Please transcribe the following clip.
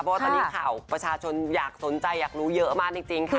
เพราะว่าตอนนี้ข่าวประชาชนอยากสนใจอยากรู้เยอะมากจริงค่ะ